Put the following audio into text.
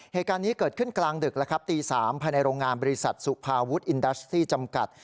เหตุการณ์นี้เกิดขึ้นกลางดึกแล้วครับตี๓ภายในโรงงานบริษัทสุภาวุฒิอินดัสซี่จำกัด